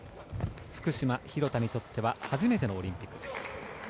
福島、廣田にとっては初めてのオリンピックです。